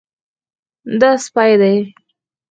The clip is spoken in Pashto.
دا سپی دی